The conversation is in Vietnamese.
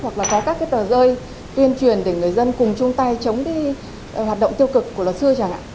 hoặc là có các cái tờ rơi tuyên truyền để người dân cùng chung tay chống cái hoạt động tiêu cực của luật sư chẳng hạn